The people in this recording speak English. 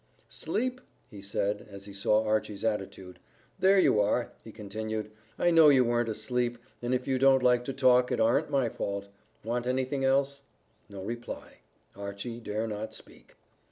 "Sleep?" he said, as he saw Archy's attitude. "There you are," he continued. "I know you weren't asleep, and if you don't like to talk it aren't my fault. Want anything else?" No reply; Archy dare not speak.